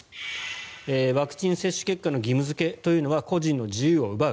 ワクチン接種結果の義務付けというのは個人の自由を奪う。